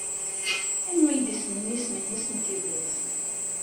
Anwa ay yessnen isem-nnes n tidet?